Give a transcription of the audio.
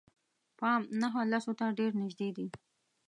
پام نهه لسو ته ډېر نژدې دي.